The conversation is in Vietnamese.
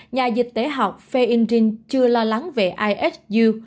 nhà dịch tế học feindring chưa lo lắng về ihu